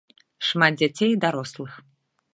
Шмат дзяцей і дарослых.